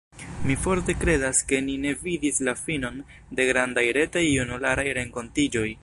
Mi forte kredas ke ni ne vidis la finon de grandaj retaj junularaj renkontiĝoj!